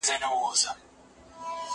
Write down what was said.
زه اوس کښېناستل کوم!